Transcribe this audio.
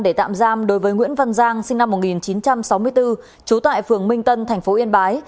để tạm giam đối với nguyễn văn giang sinh năm một nghìn chín trăm sáu mươi bốn trú tại phường minh tân tp yên bái